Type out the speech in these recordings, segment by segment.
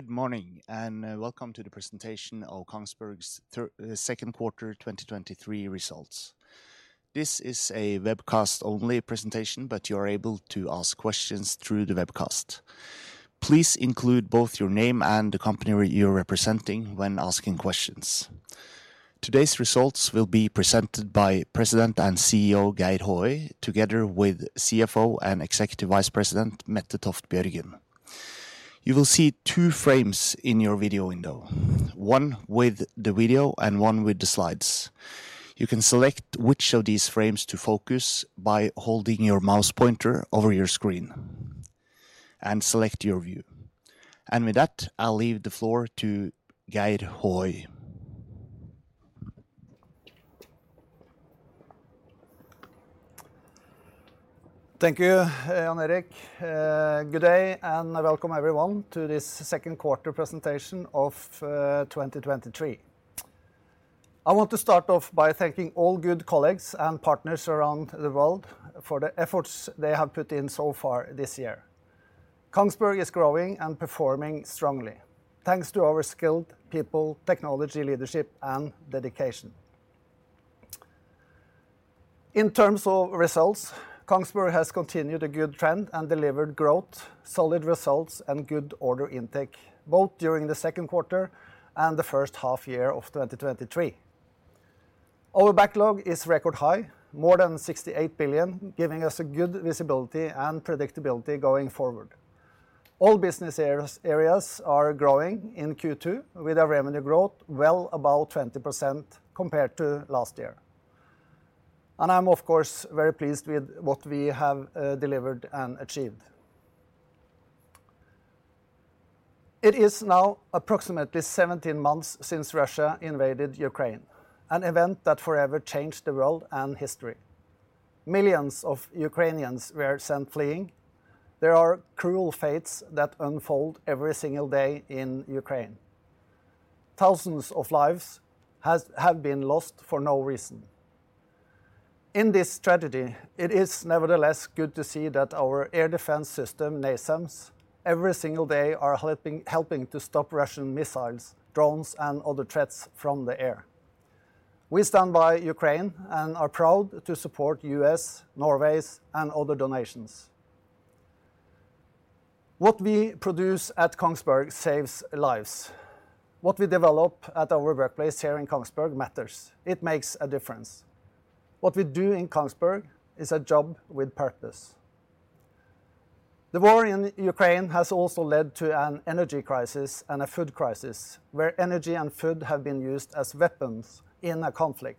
Good morning, and welcome to the presentation of Kongsberg's second quarter 2023 results. This is a webcast-only presentation, but you are able to ask questions through the webcast. Please include both your name and the company you're representing when asking questions. Today's results will be presented by President and CEO, Geir Håøy, together with CFO and Executive Vice President, Mette Toft Bjørgen. You will see two frames in your video window, one with the video and one with the slides. You can select which of these frames to focus by holding your mouse pointer over your screen and select your view. With that, I'll leave the floor to Geir Håøy. Thank you, Jan-Erik. Good day, and welcome, everyone, to this second quarter presentation of 2023. I want to start off by thanking all good colleagues and partners around the world for the efforts they have put in so far this year. Kongsberg is growing and performing strongly, thanks to our skilled people, technology, leadership, and dedication. In terms of results, Kongsberg has continued a good trend and delivered growth, solid results, and good order intake, both during the second quarter and the first half year of 2023. Our backlog is record high, more than 68 billion, giving us a good visibility and predictability going forward. All business areas are growing in Q2, with our revenue growth well above 20% compared to last year, and I'm, of course, very pleased with what we have delivered and achieved. It is now approximately 17 months since Russia invaded Ukraine, an event that forever changed the world and history. Millions of Ukrainians were sent fleeing. There are cruel fates that unfold every single day in Ukraine. Thousands of lives have been lost for no reason. In this tragedy, it is nevertheless good to see that our air defense system, NASAMS, every single day are helping to stop Russian missiles, drones, and other threats from the air. We stand by Ukraine and are proud to support U.S., Norway's, and other donations. What we produce at Kongsberg saves lives. What we develop at our workplace here in Kongsberg matters. It makes a difference. What we do in Kongsberg is a job with purpose. The war in Ukraine has also led to an energy crisis and a food crisis, where energy and food have been used as weapons in a conflict.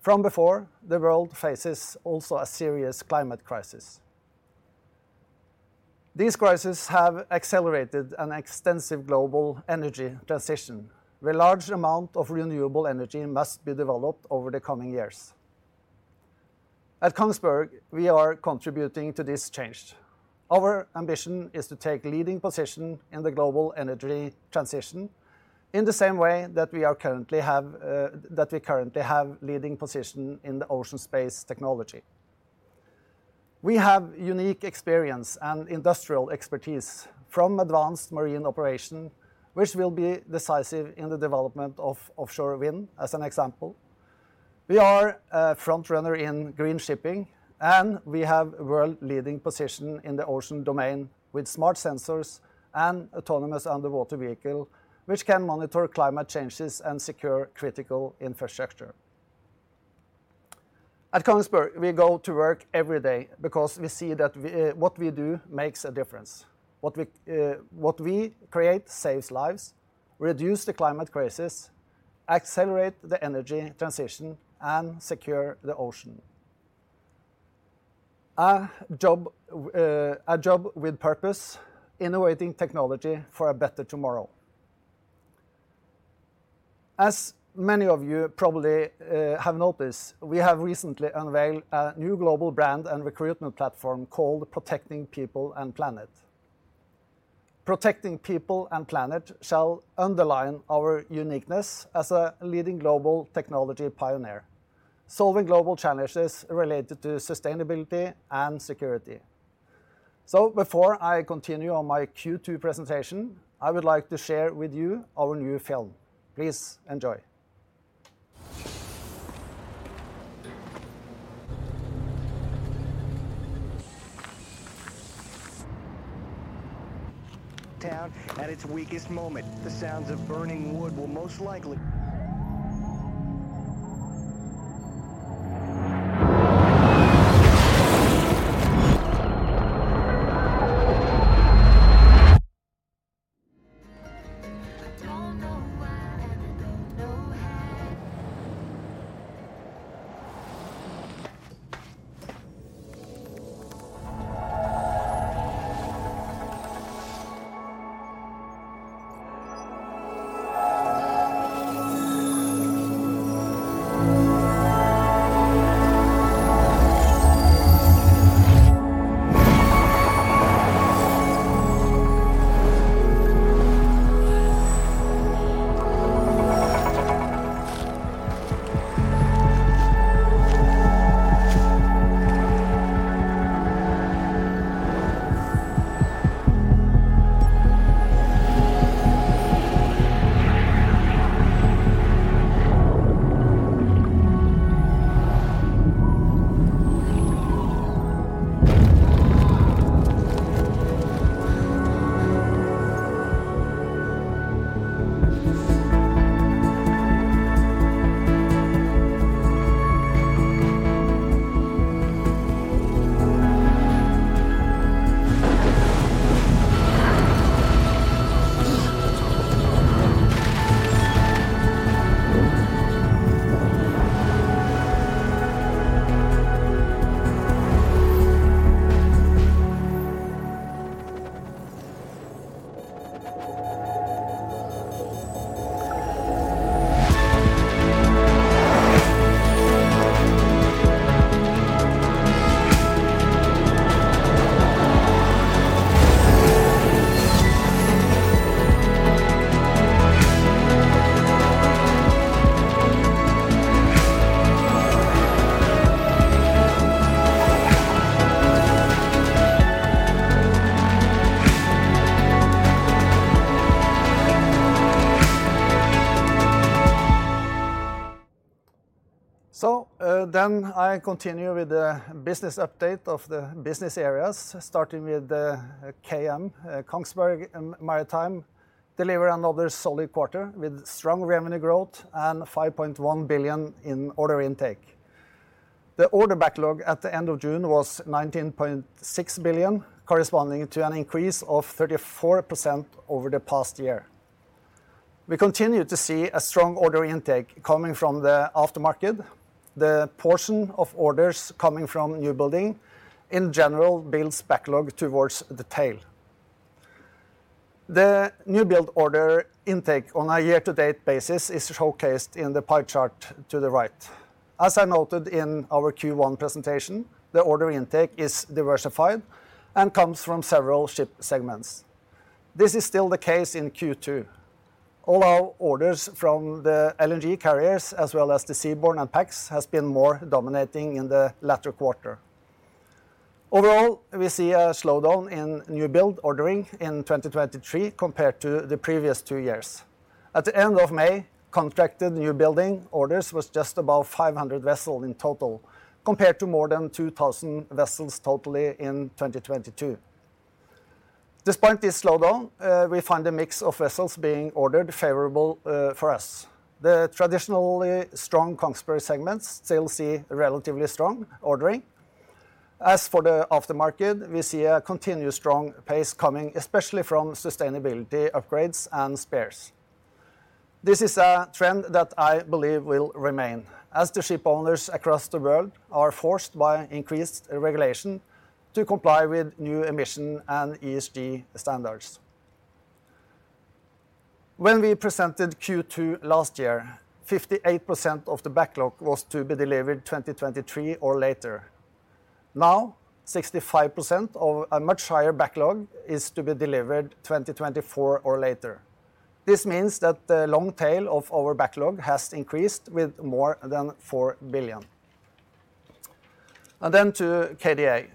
From before, the world faces also a serious climate crisis. These crises have accelerated an extensive global energy transition, where large amount of renewable energy must be developed over the coming years. At Kongsberg, we are contributing to this change. Our ambition is to take leading position in the global energy transition in the same way that we currently have leading position in the ocean space technology. We have unique experience and industrial expertise from advanced marine operation, which will be decisive in the development of offshore wind, as an example. We are a frontrunner in green shipping, we have a world leading position in the ocean domain with smart sensors and autonomous underwater vehicle, which can monitor climate changes and secure critical infrastructure. At Kongsberg, we go to work every day because we see that what we do makes a difference. What we create saves lives, reduce the climate crisis, accelerate the energy transition, and secure the ocean. Our job, a job with purpose, innovating technology for a better tomorrow. As many of you probably have noticed, we have recently unveiled a new global brand and recruitment platform called Protechting People and Planet. Protechting People and Planet shall underline our uniqueness as a leading global technology pioneer, solving global challenges related to sustainability and security. Before I continue on my Q2 presentation, I would like to share with you our new film. Please enjoy. Town at its weakest moment. The sounds of burning wood will most likely. I don't know why, and I don't know how. Then I continue with the business update of the business areas, starting with the KM, Kongsberg Maritime, delivered another solid quarter with strong revenue growth and 5.1 billion in order intake. The order backlog at the end of June was 19.6 billion, corresponding to an increase of 34% over the past year. We continue to see a strong order intake coming from the aftermarket. The portion of orders coming from new building, in general, builds backlog towards the tail. The new build order intake on a year-to-date basis is showcased in the pie chart to the right. As I noted in our Q1 presentation, the order intake is diversified and comes from several ship segments. This is still the case in Q2. All our orders from the LNG carriers, as well as the Seaborne & Pax, has been more dominating in the latter quarter. Overall, we see a slowdown in new build ordering in 2023 compared to the previous two years. At the end of May, contracted new building orders was just above 500 vessels in total, compared to more than 2,000 vessels totally in 2022. Despite this slowdown, we find a mix of vessels being ordered favorable for us. The traditionally strong Kongsberg segments still see relatively strong ordering. As for the aftermarket, we see a continuous strong pace coming, especially from sustainability upgrades and spares. This is a trend that I believe will remain, as the ship owners across the world are forced by increased regulation to comply with new emission and ESG standards. When we presented Q2 last year, 58% of the backlog was to be delivered 2023 or later. Now, 65% of a much higher backlog is to be delivered 2024 or later. This means that the long tail of our backlog has increased with more than 4 billion. Then to KDA.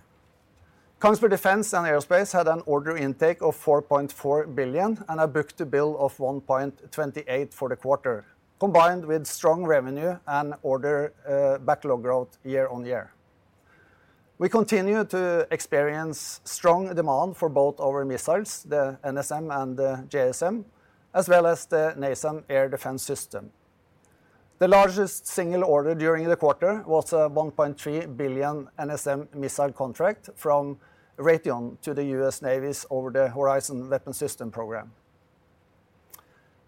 Kongsberg Defence & Aerospace had an order intake of 4.4 billion and a book-to-bill of 1.28 for the quarter, combined with strong revenue and order backlog growth year-on-year. We continue to experience strong demand for both our missiles, the NSM and the JSM, as well as the NASAMS Air Defense System. The largest single order during the quarter was a 1.3 billion NSM missile contract from Raytheon to the U.S. Navy's Over-the-Horizon Weapon System program.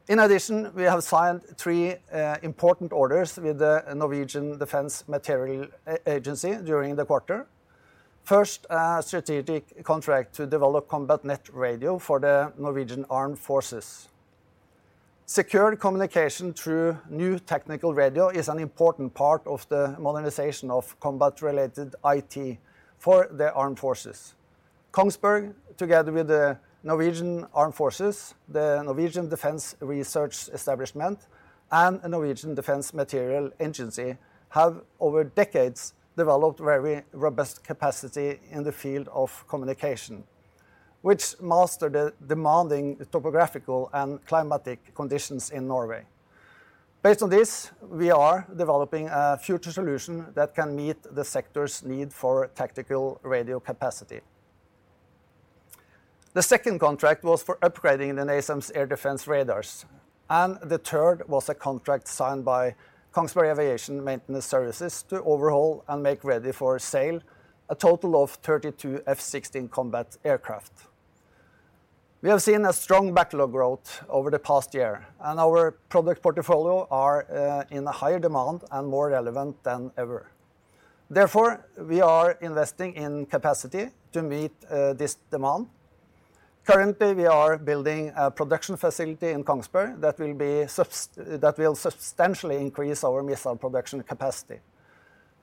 In addition, we have signed three important orders with the Norwegian Defence Materiel Agency during the quarter. First, a strategic contract to develop Combat Net Radio for the Norwegian Armed Forces. Secure communication through new technical radio is an important part of the modernization of combat-related IT for the Armed Forces. Kongsberg, together with the Norwegian Armed Forces, the Norwegian Defence Research Establishment, and the Norwegian Defence Materiel Agency, have over decades, developed very robust capacity in the field of communication, which master the demanding topographical and climatic conditions in Norway. Based on this, we are developing a future solution that can meet the sector's need for tactical radio capacity. The second contract was for upgrading the NASAMS air defense radars, and the third was a contract signed by Kongsberg Aviation Maintenance Services to overhaul and make ready for sale a total of 32 F-16 combat aircraft. We have seen a strong backlog growth over the past year, and our product portfolio are in a higher demand and more relevant than ever. Therefore, we are investing in capacity to meet this demand. Currently, we are building a production facility in Kongsberg that will substantially increase our missile production capacity.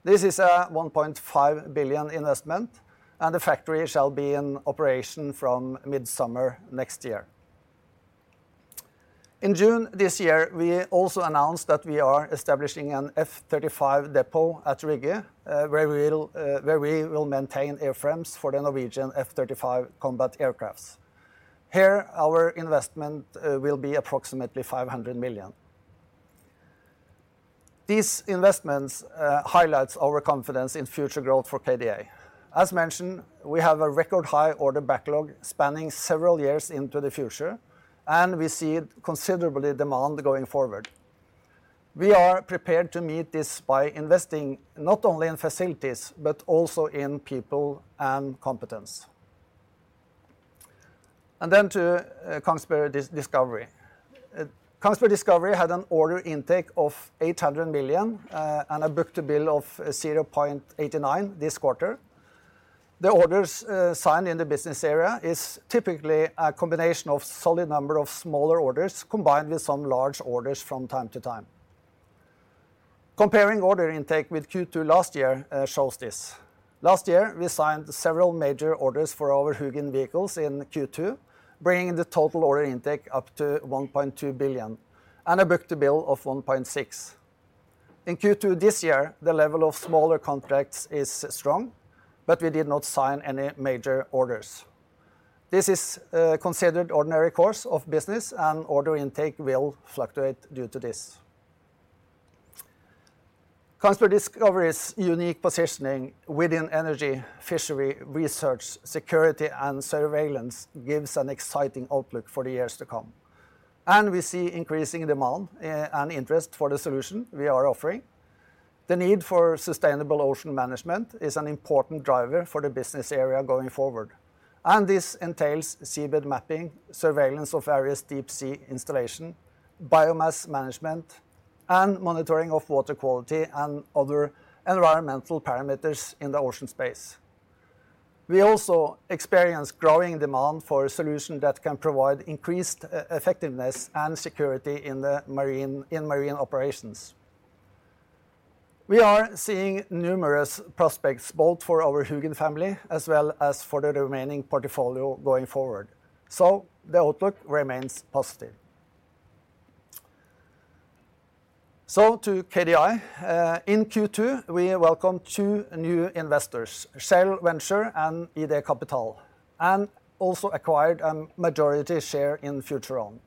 This is a 1.5 billion investment, and the factory shall be in operation from mid-summer next year. In June this year, we also announced that we are establishing an F-35 depot at Rygge, where we will maintain airframes for the Norwegian F-35 combat aircrafts. Here, our investment will be approximately 500 million. These investments highlights our confidence in future growth for KDA. As mentioned, we have a record high order backlog spanning several years into the future, and we see considerably demand going forward. We are prepared to meet this by investing not only in facilities, but also in people and competence. Kongsberg Discovery. Kongsberg Discovery had an order intake of 800 million and a book-to-bill of 0.89 this quarter. The orders signed in the business area is typically a combination of solid number of smaller orders, combined with some large orders from time to time. Comparing order intake with Q2 last year shows this. Last year, we signed several major orders for our HUGIN vehicles in Q2, bringing the total order intake up to 1.2 billion and a book-to-bill of 1.6. In Q2 this year, the level of smaller contracts is strong. We did not sign any major orders. This is considered ordinary course of business. Order intake will fluctuate due to this. Kongsberg Discovery's unique positioning within energy, fishery, research, security, and surveillance gives an exciting outlook for the years to come. We see increasing demand and interest for the solution we are offering. The need for sustainable ocean management is an important driver for the business area going forward. This entails seabed mapping, surveillance of various deep sea installation, biomass management, and monitoring of water quality and other environmental parameters in the ocean space. We also experience growing demand for a solution that can provide increased e-effectiveness and security in marine operations. We are seeing numerous prospects, both for our HUGIN family as well as for the remaining portfolio going forward, so the outlook remains positive. To KDA, in Q2, we welcomed two new investors, Shell Ventures and Idékapital, and also acquired a majority share in FutureOn,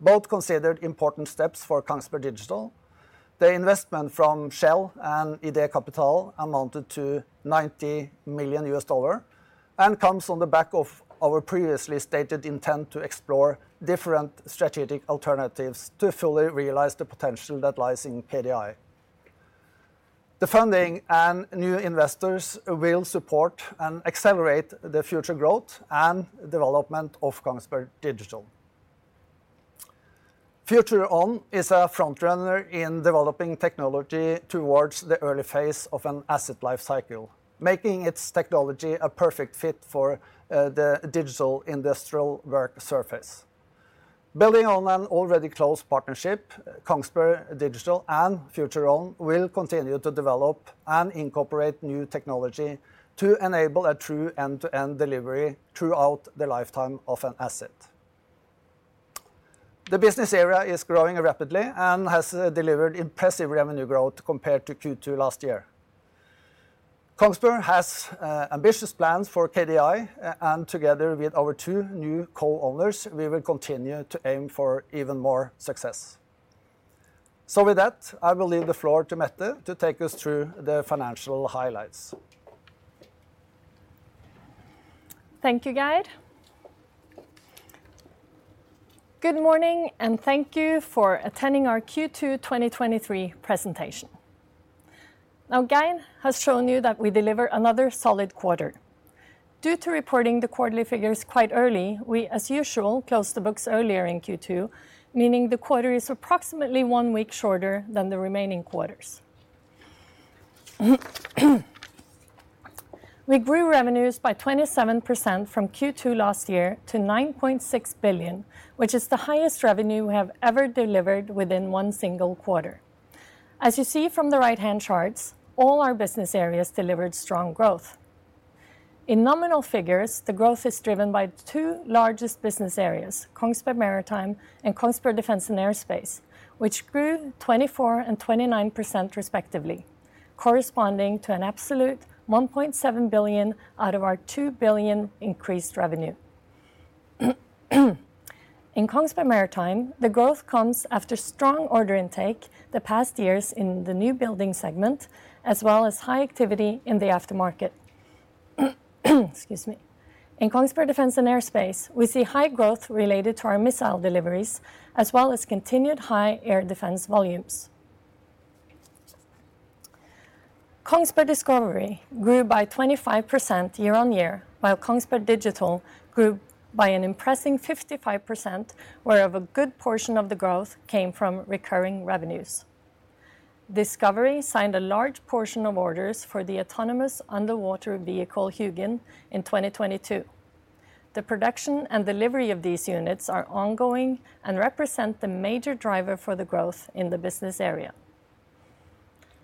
both considered important steps for Kongsberg Digital. The investment from Shell Ventures and Idékapital amounted to $90 million, and comes on the back of our previously stated intent to explore different strategic alternatives to fully realize the potential that lies in KDA. The funding and new investors will support and accelerate the future growth and development of Kongsberg Digital. FutureOn is a frontrunner in developing technology towards the early phase of an asset life cycle, making its technology a perfect fit for the digital industrial work surface. Building on an already close partnership, Kongsberg Digital and FutureOn will continue to develop and incorporate new technology to enable a true end-to-end delivery throughout the lifetime of an asset. The business area is growing rapidly and has delivered impressive revenue growth compared to Q2 last year. Kongsberg has ambitious plans for KDA, and together with our two new co-owners, we will continue to aim for even more success. With that, I will leave the floor to Mette to take us through the financial highlights. Thank you, Geir. Good morning, thank you for attending our Q2 2023 presentation. Geir has shown you that we deliver another solid quarter. Due to reporting the quarterly figures quite early, we, as usual, close the books earlier in Q2, meaning the quarter is approximately one week shorter than the remaining quarters. We grew revenues by 27% from Q2 last year to 9.6 billion, which is the highest revenue we have ever delivered within one single quarter. As you see from the right-hand charts, all our business areas delivered strong growth. In nominal figures, the growth is driven by the two largest business areas, Kongsberg Maritime and Kongsberg Defence & Aerospace, which grew 24% and 29% respectively, corresponding to an absolute 1.7 billion out of our 2 billion increased revenue. In Kongsberg Maritime, the growth comes after strong order intake the past years in the new building segment, as well as high activity in the aftermarket. Excuse me. In Kongsberg Defence & Aerospace, we see high growth related to our missile deliveries, as well as continued high air defense volumes. Kongsberg Discovery grew by 25% year-on-year, while Kongsberg Digital grew by an impressing 55%, whereof a good portion of the growth came from recurring revenues. Kongsberg Discovery signed a large portion of orders for the autonomous underwater vehicle, HUGIN, in 2022. The production and delivery of these units are ongoing and represent the major driver for the growth in the business area.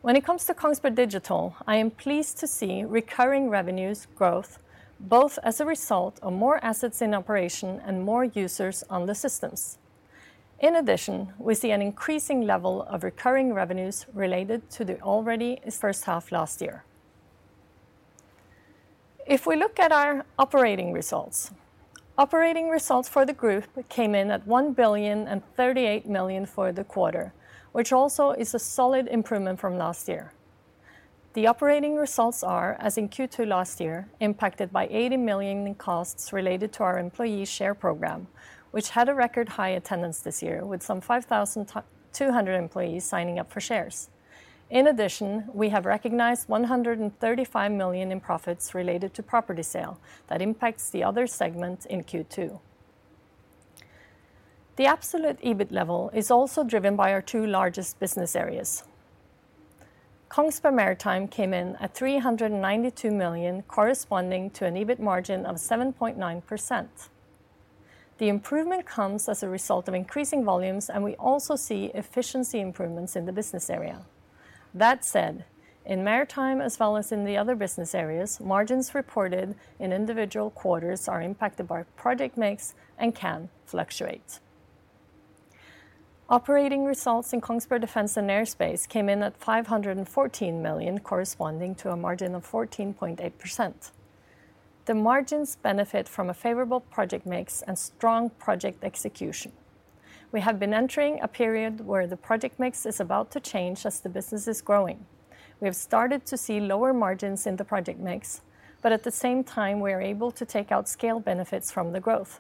When it comes to Kongsberg Digital, I am pleased to see recurring revenues growth, both as a result of more assets in operation and more users on the systems. In addition, we see an increasing level of recurring revenues related to the already first half last year. If we look at our operating results, operating results for the group came in at 1,038 million for the quarter, which also is a solid improvement from last year. The operating results are, as in Q2 last year, impacted by 80 million in costs related to our employee share program, which had a record high attendance this year, with some 5,200 employees signing up for shares. In addition, we have recognized 135 million in profits related to property sale. That impacts the other segment in Q2. The absolute EBIT level is also driven by our two largest business areas. Kongsberg Maritime came in at 392 million, corresponding to an EBIT margin of 7.9%. The improvement comes as a result of increasing volumes, and we also see efficiency improvements in the business area. That said, in Maritime as well as in the other business areas, margins reported in individual quarters are impacted by project mix and can fluctuate. Operating results in Kongsberg Defence & Aerospace came in at 514 million, corresponding to a margin of 14.8%. The margins benefit from a favorable project mix and strong project execution. We have been entering a period where the project mix is about to change as the business is growing. We have started to see lower margins in the project mix, but at the same time, we are able to take out scale benefits from the growth.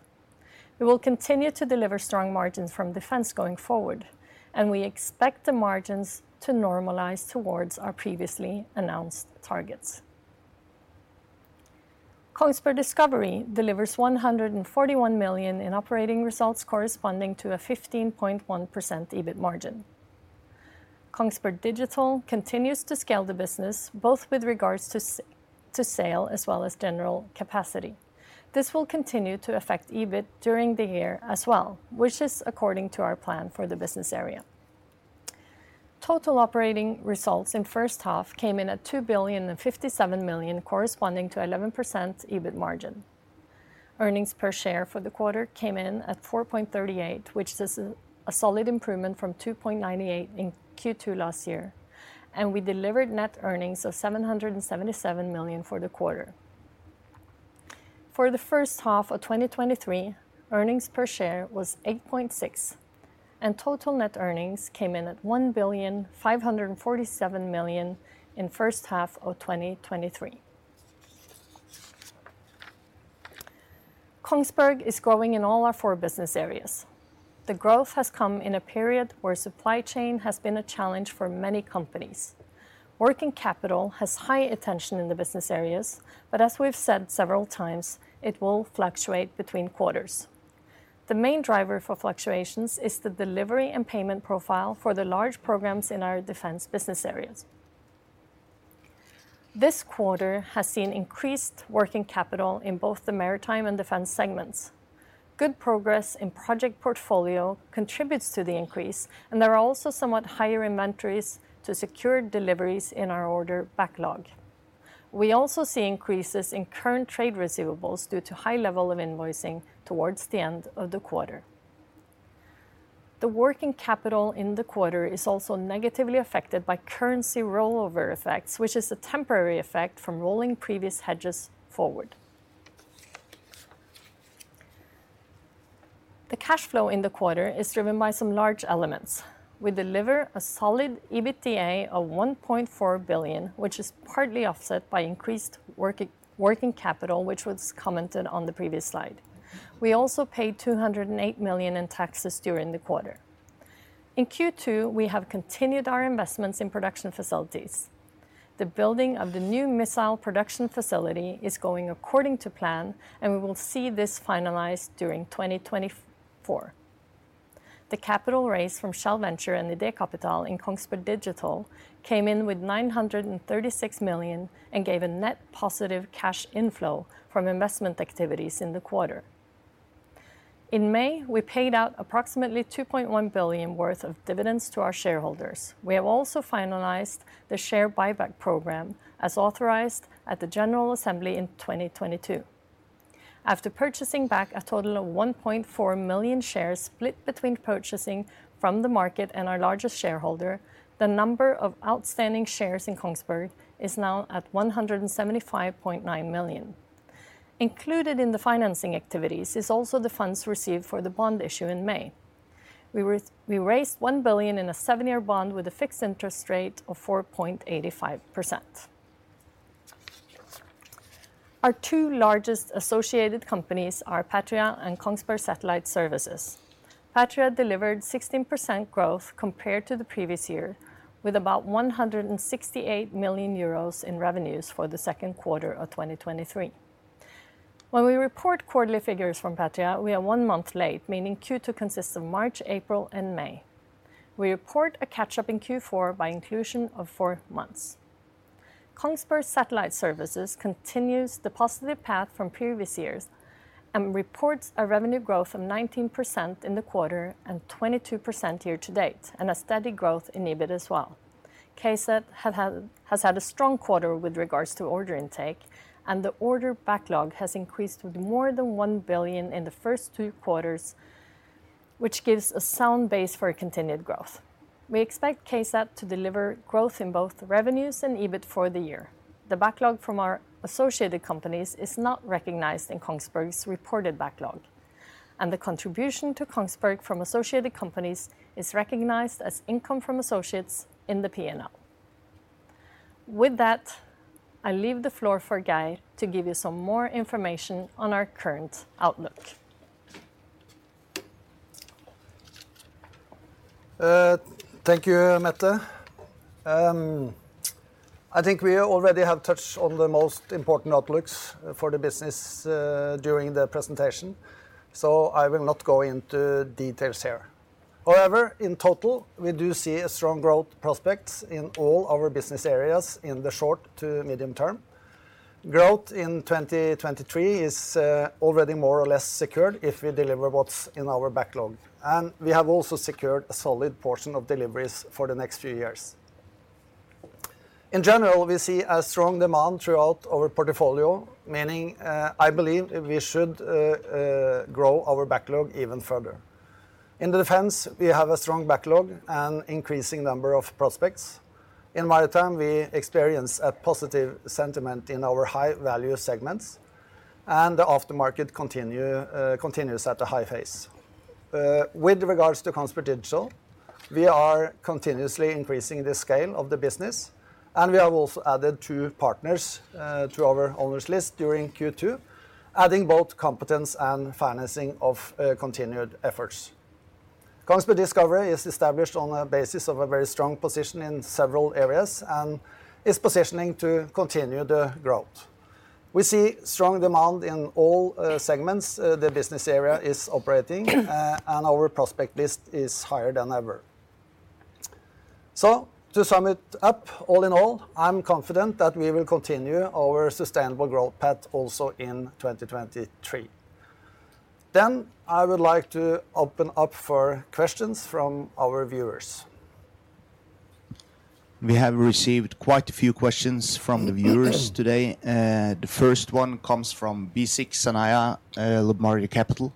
We will continue to deliver strong margins from Defense going forward, and we expect the margins to normalize towards our previously announced targets. Kongsberg Discovery delivers 141 million in operating results, corresponding to a 15.1% EBIT margin. Kongsberg Digital continues to scale the business, both with regards to to sale as well as general capacity. This will continue to affect EBIT during the year as well, which is according to our plan for the business area. Total operating results in first half came in at 2,057 million, corresponding to 11% EBIT margin. Earnings per share for the quarter came in at 4.38, which is a solid improvement from 2.98 in Q2 last year, and we delivered net earnings of 777 million for the quarter. For the first half of 2023, earnings per share was 8.6. Total net earnings came in at 1,547 million in first half of 2023. Kongsberg is growing in all our four business areas. The growth has come in a period where supply chain has been a challenge for many companies. Working capital has high attention in the business areas, as we've said several times, it will fluctuate between quarters. The main driver for fluctuations is the delivery and payment profile for the large programs in our Defense business areas. This quarter has seen increased working capital in both the Maritime and Defense segments. Good progress in project portfolio contributes to the increase, there are also somewhat higher inventories to secure deliveries in our order backlog. We also see increases in current trade receivables due to high level of invoicing towards the end of the quarter. The working capital in the quarter is also negatively affected by currency rollover effects, which is a temporary effect from rolling previous hedges forward. The cash flow in the quarter is driven by some large elements. We deliver a solid EBITDA of 1.4 billion, which is partly offset by increased working capital, which was commented on the previous slide. We also paid 208 million in taxes during the quarter. In Q2, we have continued our investments in production facilities. The building of the new missile production facility is going according to plan, and we will see this finalized during 2024. The capital raise from Shell Ventures and Idékapital in Kongsberg Digital came in with 936 million and gave a net positive cash inflow from investment activities in the quarter. In May, we paid out approximately 2.1 billion worth of dividends to our shareholders. We have also finalized the share buyback program as authorized at the General Assembly in 2022. After purchasing back a total of 1.4 million shares, split between purchasing from the market and our largest shareholder, the number of outstanding shares in Kongsberg is now at 175.9 million. Included in the financing activities is also the funds received for the bond issue in May. We raised 1 billion in a seven-year bond with a fixed interest rate of 4.85%. Our two largest associated companies are Patria and Kongsberg Satellite Services. Patria delivered 16% growth compared to the previous year, with about 168 million euros in revenues for the second quarter of 2023. When we report quarterly figures from Patria, we are one month late, meaning Q2 consists of March, April, and May. We report a catch-up in Q4 by inclusion of four months. Kongsberg Satellite Services continues the positive path from previous years and reports a revenue growth of 19% in the quarter and 22% year-to-date, and a steady growth in EBIT as well. KSAT has had a strong quarter with regards to order intake, and the order backlog has increased with more than 1 billion in the first two quarters, which gives a sound base for a continued growth. We expect KSAT to deliver growth in both revenues and EBIT for the year. The backlog from our associated companies is not recognized in Kongsberg's reported backlog. The contribution to Kongsberg from associated companies is recognized as income from associates in the P&L. With that, I leave the floor for Geir to give you some more information on our current outlook. Thank you, Mette. I think we already have touched on the most important outlooks for the business during the presentation. I will not go into details here. However, in total, we do see strong growth prospects in all our business areas in the short to medium term. Growth in 2023 is already more or less secured if we deliver what's in our backlog. We have also secured a solid portion of deliveries for the next few years. In general, we see strong demand throughout our portfolio, meaning, I believe we should grow our backlog even further. In the defense, we have a strong backlog and increasing number of prospects. In Maritime, we experience a positive sentiment in our high value segments, and the after-market continues at a high pace. With regards to Kongsberg Digital, we are continuously increasing the scale of the business, and we have also added two partners to our owners list during Q2, adding both competence and financing of continued efforts. Kongsberg Discovery is established on a basis of a very strong position in several areas and is positioning to continue the growth. We see strong demand in all segments the business area is operating, and our prospect list is higher than ever. To sum it up, all in all, I'm confident that we will continue our sustainable growth path also in 2023. I would like to open up for questions from our viewers. We have received quite a few questions from the viewers today. The first one comes from Bissek Sanan, Limeria Capital.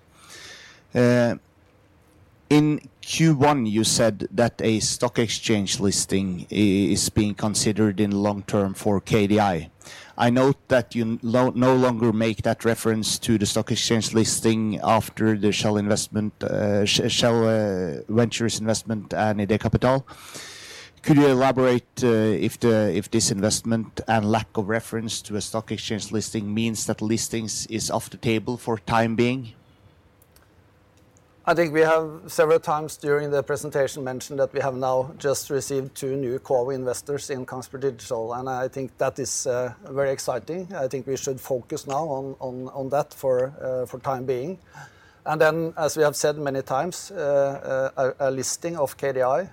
In Q1, you said that a stock exchange listing is being considered in long term for KDA. I note that you no longer make that reference to the stock exchange listing after the Shell investment, Shell Ventures investment and Idékapital. Could you elaborate, if the, if this investment and lack of reference to a stock exchange listing means that listings is off the table for time being? I think we have several times during the presentation mentioned that we have now just received two new core investors in Kongsberg Digital. I think that is very exciting. I think we should focus now on that for time being. As we have said many times, a listing of KDA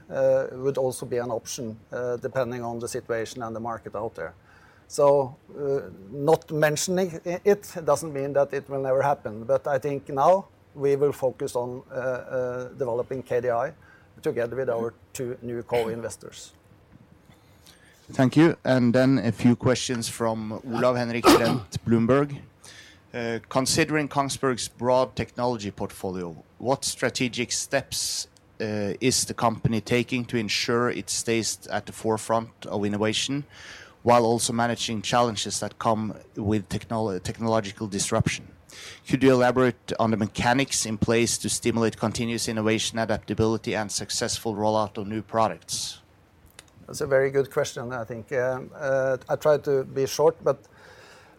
would also be an option, depending on the situation and the market out there. Not mentioning it doesn't mean that it will never happen. I think now we will focus on developing KDA together with our two new core investors. Thank you. A few questions from Ole Henrik at Bloomberg. Considering Kongsberg's broad technology portfolio, what strategic steps is the company taking to ensure it stays at the forefront of innovation, while also managing challenges that come with technological disruption? Could you elaborate on the mechanics in place to stimulate continuous innovation, adaptability, and successful rollout of new products? That's a very good question, I think. I try to be short, but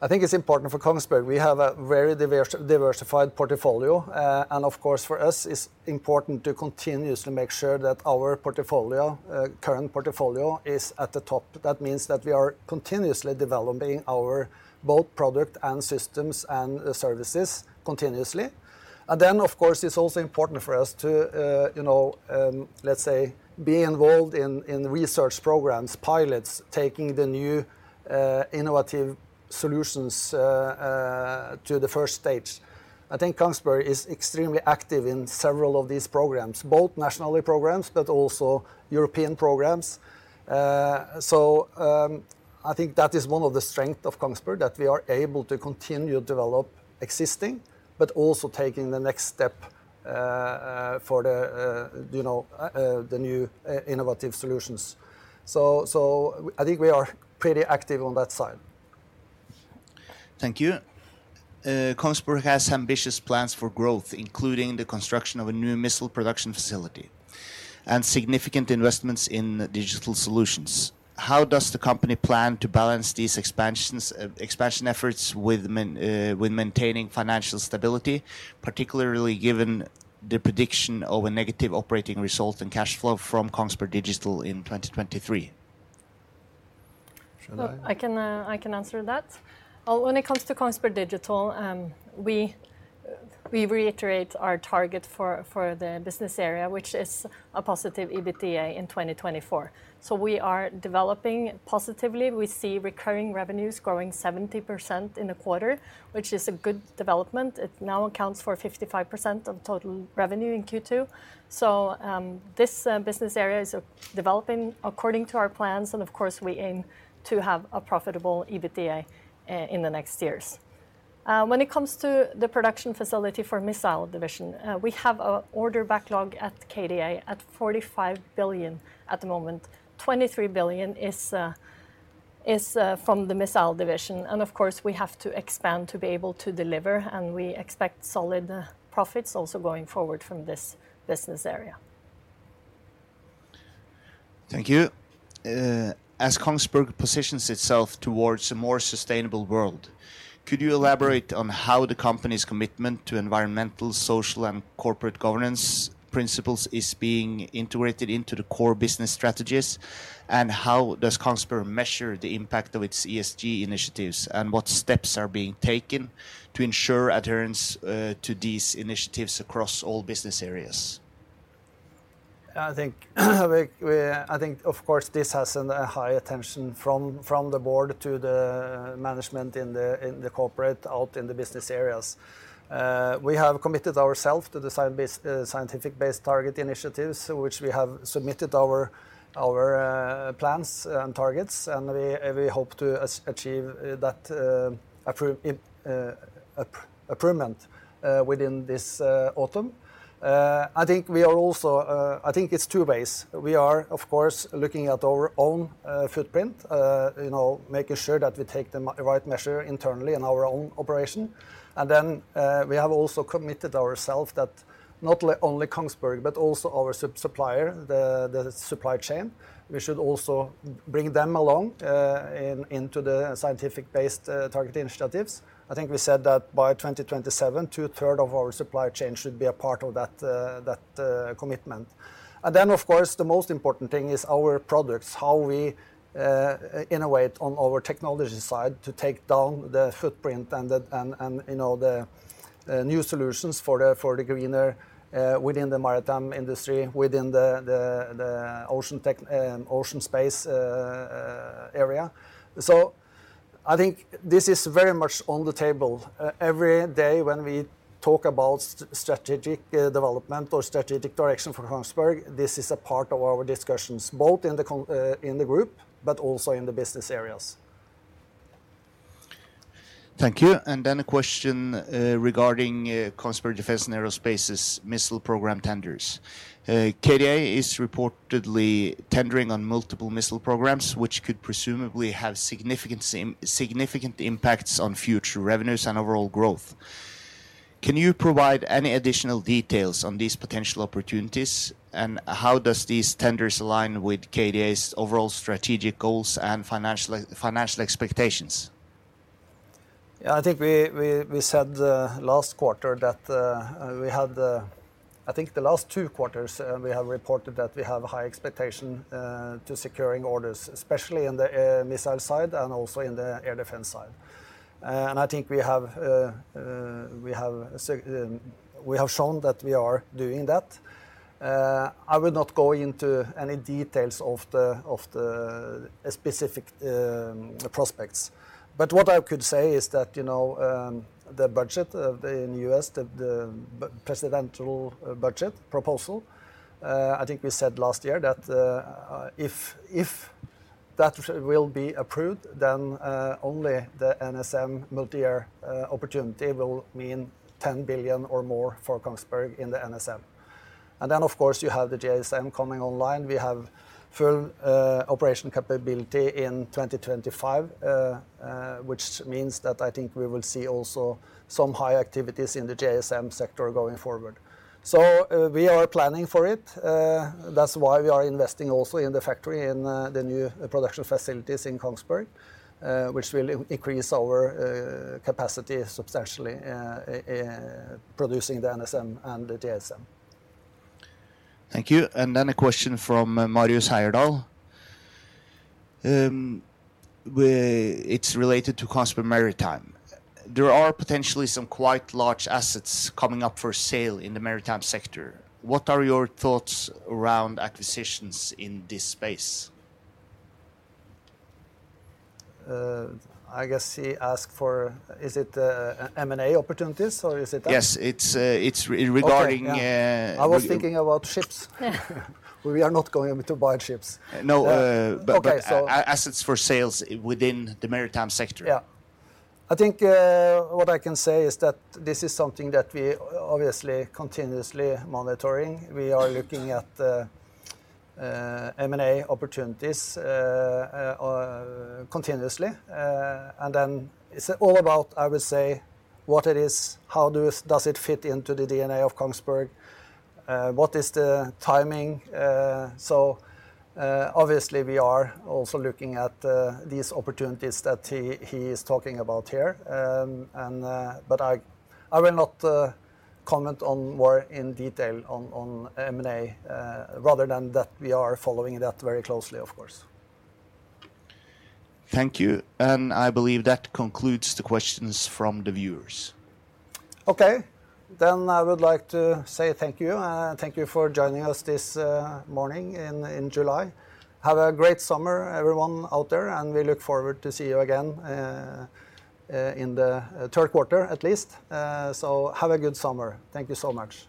I think it's important for Kongsberg. We have a very diversified portfolio, and of course, for us, it's important to continuously make sure that our portfolio, current portfolio is at the top. That means that we are continuously developing our both product and systems and the services continuously. Of course, it's also important for us to, you know, let's say, be involved in research programs, pilots, taking the new, innovative solutions to the first stage. I think Kongsberg is extremely active in several of these programs, both national programs, but also European programs. I think that is one of the strength of Kongsberg, that we are able to continue to develop existing, but also taking the next step for the, you know, the new innovative solutions. I think we are pretty active on that side. Thank you. Kongsberg has ambitious plans for growth, including the construction of a new missile production facility and significant investments in digital solutions. How does the company plan to balance these expansions, expansion efforts with maintaining financial stability, particularly given the prediction of a negative operating result and cash flow from Kongsberg Digital in 2023? I can answer that. When it comes to Kongsberg Digital, we reiterate our target for the business area, which is a positive EBITDA in 2024. We are developing positively. We see recurring revenues growing 70% in the quarter, which is a good development. It now accounts for 55% of total revenue in Q2. This business area is developing according to our plans, and of course, we aim to have a profitable EBITDA in the next years. When it comes to the production facility for Missile Division, we have a order backlog at KDA at 45 billion at the moment. 23 billion is from the Missile Systems division. Of course, we have to expand to be able to deliver. We expect solid profits also going forward from this business area. Thank you. As Kongsberg positions itself towards a more sustainable world, could you elaborate on how the company's commitment to environmental, social, and corporate governance principles is being integrated into the core business strategies? How does Kongsberg measure the impact of its ESG initiatives, and what steps are being taken to ensure adherence to these initiatives across all business areas? I think, of course, this has an high attention from the board to the management in the corporate, out in the business areas. We have committed ourself to the scientific-based target initiatives, which we have submitted our plans and targets, and we hope to achieve that approval within this autumn. I think we are also. I think it's two ways. We are, of course, looking at our own footprint, you know, making sure that we take the right measure internally in our own operation. We have also committed ourself that not only Kongsberg, but also our supplier, the supply chain, we should also bring them along into the scientific-based target initiatives. I think we said that by 2027, two-third of our supply chain should be a part of that commitment. Of course, the most important thing is our products, how we innovate on our technology side to take down the footprint and, you know, the new solutions for the greener within the maritime industry, within the ocean tech, ocean space area. I think this is very much on the table. Every day when we talk about strategic development or strategic direction for Kongsberg, this is a part of our discussions, both in the group, but also in the business areas. Thank you. A question regarding Kongsberg Defence & Aerospace's missile program tenders. KDA is reportedly tendering on multiple missile programs, which could presumably have significant impacts on future revenues and overall growth. Can you provide any additional details on these potential opportunities, and how does these tenders align with KDA's overall strategic goals and financial expectations? Yeah, I think we said last quarter that. I think the last two quarters, we have reported that we have a high expectation to securing orders, especially in the missile side and also in the air defense side. I think we have shown that we are doing that. I will not go into any details of the specific prospects. What I could say is that, you know, the budget of the U.S., the presidential budget proposal, I think we said last year, that if that will be approved, then only the NSM multi-year opportunity will mean $10 billion or more for Kongsberg in the NSM. Of course, you have the JSM coming online. We have full operation capability in 2025, which means that I think we will see also some high activities in the JSM sector going forward. We are planning for it. That's why we are investing also in the factory, in the new production facilities in Kongsberg, which will increase our capacity substantially, producing the NSM and the JSM. Thank you. A question from Marius Heyerdahl. It's related to Kongsberg Maritime. There are potentially some quite large assets coming up for sale in the maritime sector. What are your thoughts around acquisitions in this space? I guess he asked for, is it M&A opportunities, or is it that? Yes, it's regarding. Okay, yeah. I was thinking about ships. We are not going to buy ships. No. Okay. Assets for sales within the maritime sector. I think, what I can say is that this is something that we obviously continuously monitoring. We are looking at the M&A opportunities continuously. It's all about, I would say, what it is, how does it fit into the DNA of Kongsberg? What is the timing? Obviously, we are also looking at these opportunities that he is talking about here. I will not comment on more in detail on M&A, rather than that, we are following that very closely, of course. Thank you. I believe that concludes the questions from the viewers. Okay. I would like to say thank you, and thank you for joining us this morning in July. Have a great summer, everyone out there, and we look forward to see you again in the third quarter, at least. Have a good summer. Thank you so much.